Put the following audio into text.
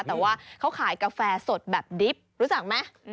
แต่ว่าเขาขายกาแฟสดแบบดิบรู้จักไหม